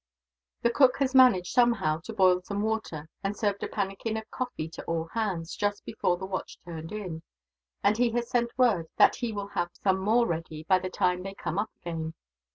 "The cook has managed, somehow, to boil some water, and served a pannikin of coffee to all hands, just before the watch turned in; and he has sent word that he will have some more ready, by the time they come up again."